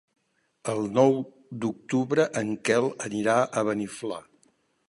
El nou d'octubre en Quel anirà a Beniflà.